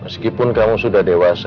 meskipun kamu sudah dewasa